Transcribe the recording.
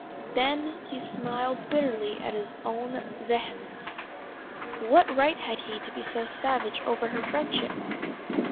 Then he smiled bitterly at his own vehemence. What right had he to be so savage over her friendship?